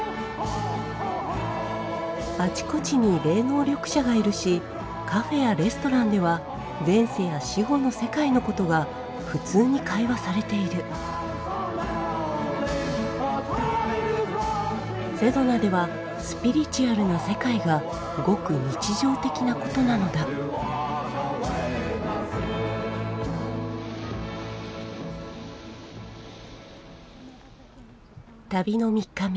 あちこちに霊能力者がいるしカフェやレストランでは前世や死後の世界の事が普通に会話されているセドナではスピリチュアルな世界がごく日常的な事なのだ旅の３日目。